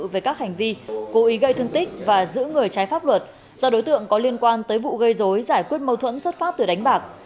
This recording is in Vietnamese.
về các hành vi cố ý gây thương tích và giữ người trái pháp luật do đối tượng có liên quan tới vụ gây dối giải quyết mâu thuẫn xuất phát từ đánh bạc